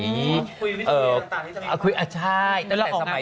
คุยวิทยาลัยต่างใช่